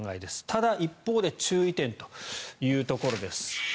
ただ、一方で注意点というところです。